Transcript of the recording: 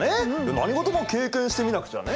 何事も経験してみなくちゃね。